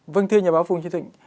vâng thưa nhà báo phung chí thịnh